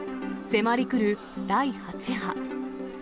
迫り来る第８波。